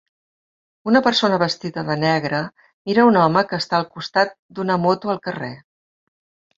Una persona vestida de negre mira un home que està al costat d'una moto al carrer.